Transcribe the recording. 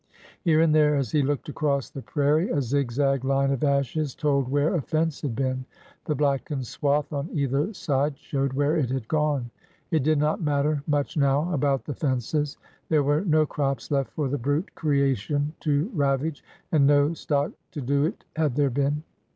Here and there, as he looked across the prairie, a zig zag line of ashes told where a fence had been ; the black ened swath on either side showed where it had gone. It did not matter much now about the fences. There were no crops left for the brute creation to ravage, and no stock to do it had there been.